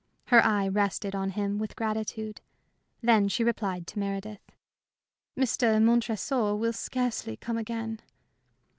Her eye rested on him with gratitude. Then she replied to Meredith. "Mr. Montresor will scarcely come again."